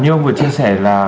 như ông vừa chia sẻ là